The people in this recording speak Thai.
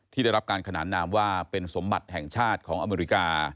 ได้รับการขนานนามว่าเป็นสมบัติแห่งชาติของอเมริกา